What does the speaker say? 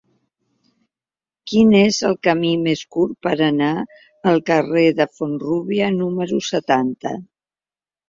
Quin és el camí més curt per anar al carrer de Font-rúbia número setanta?